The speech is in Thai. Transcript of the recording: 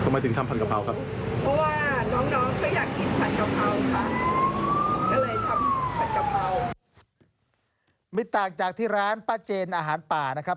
ไม่ต่างจากที่ร้านป้าเจนอาหารป่านะครับ